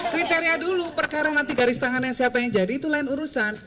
kriteria dulu perkara nanti garis tangannya siapa yang jadi itu lain urusan